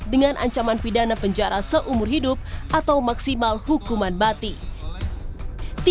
dengan ancaman pidana penjara seumur hidup atau maksimal hukuman mati